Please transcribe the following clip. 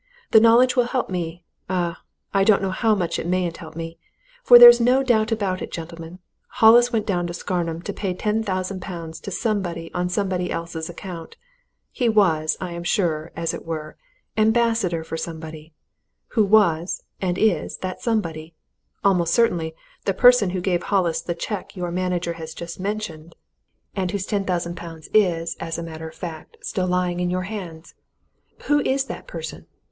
The knowledge will help me ah! I don't know how much it mayn't help me! For there's no doubt about it, gentlemen, Hollis went down to Scarnham to pay ten thousand pounds to somebody on somebody else's account! He was, I am sure, as it were, ambassador for somebody. Who was who is that somebody? Almost certainly, the person who gave Hollis the cheque your manager has just mentioned and whose ten thousand pounds is, as a matter of fact, still lying in your hands! Who is that person?